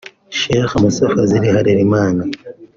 Sheikh Musa Fazil Harelimana